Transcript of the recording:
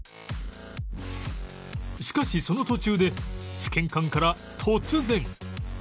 しかしその途中で試験官から突然